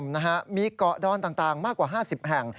นะฮะมีเกาะดอนต่างมากกว่า๕๐แห่ง